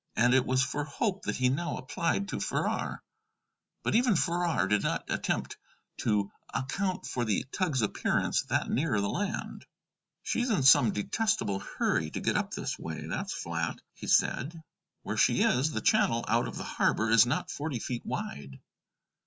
And it was for hope that he now applied to Farrar. But even Farrar did not attempt to account for the tug's appearance that near the land. "She's in some detestable hurry to get up this way, that's flat," he said; "where she is, the channel out of the harbor is not forty feet wide."